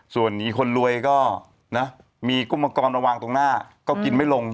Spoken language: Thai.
ส่วนนี้คนรวยก็นะมีกุ้งมังกรมาวางตรงหน้าก็กินไม่ลง